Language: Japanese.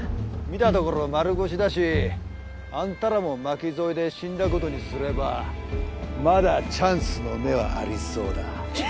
見たところ丸腰だしあんたらも巻き添えで死んだ事にすればまだチャンスの目はありそうだ。